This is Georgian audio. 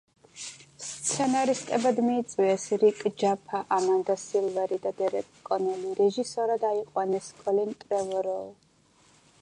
სცენარისტებად მიიწვიეს რიკ ჯაფა, ამანდა სილვერი და დერეკ კონოლი, რეჟისორად აიყვანეს კოლინ ტრევოროუ.